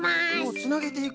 つなげていく。